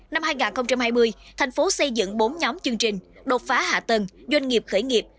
năm hai nghìn hai mươi thành phố xây dựng bốn nhóm chương trình đột phá hạ tầng doanh nghiệp khởi nghiệp